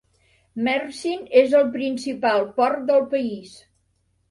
Mersin és el principal port del país.